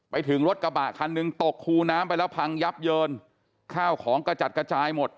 ไปถึงรถกระบะคันหนึ่งตกคูน้ำไปแล้วพังยับเยินข้าวของกระจัดกระจายหมด